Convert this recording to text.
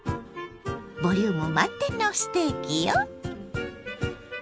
ボリューム満点のステーキよ。